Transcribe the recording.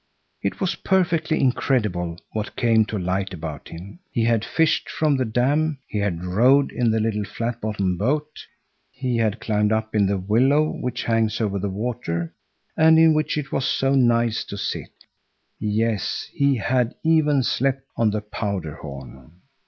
It was perfectly incredible what came to light about him. He had fished from the dam; he had rowed in the little flat bottomed boat; he had climbed up in the willow which hangs over the water, and in which it was so nice to sit; yes, he had even slept on the powder horn.